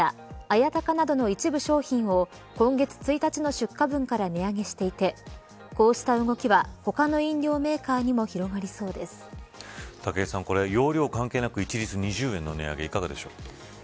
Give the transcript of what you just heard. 綾鷹などの一部商品を今月１日の出荷分から値上げしていてこうした動きは、他の飲料メーカーにも武井さん、容量関係なく一律２０円の値上げいかがでしょう。